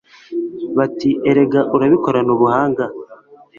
Bati Erega urabikorana ubuhanga